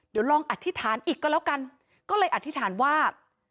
เดี๋ยวลองอธิษฐานอีกก็แล้วกันก็เลยอธิษฐานว่า